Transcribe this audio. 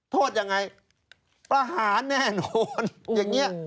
โทษยังไงประหารแน่นอนอย่างนี้